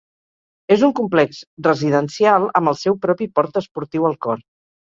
És un complex residencial amb el seu propi port esportiu al cor.